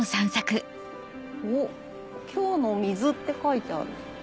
おっ「京の水」って書いてある。